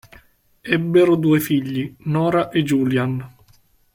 Ebbero due figli, Nora e Julian.